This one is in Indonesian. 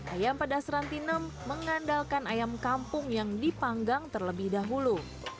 ayam pedas rantinem mengandalkan ayam kampung yang dipanggang terlebih dahulu